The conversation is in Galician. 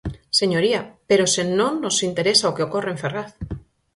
Señoría, ¡pero se non nos interesa o que ocorre en Ferraz!